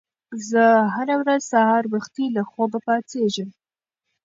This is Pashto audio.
زه هره ورځ سهار وختي له خوبه پاڅېږم.